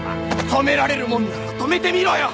止められるもんなら止めてみろよ！